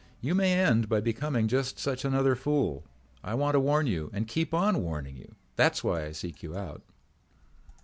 You may end by becoming just such another fool. I want to warn you and keep on warning you. That's why I seek you out."